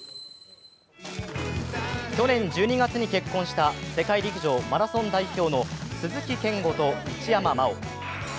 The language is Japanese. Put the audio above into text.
去年１２月に結婚した世界陸上マラソン代表の鈴木健吾と一山麻緒。